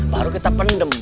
baru kita pendem